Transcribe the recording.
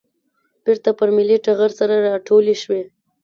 بېرته پر ملي ټغر سره راټولې شوې.